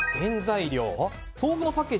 豆腐のパッケージ